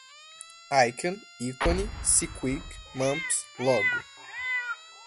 icon, ícone, sequeak, mumps, logo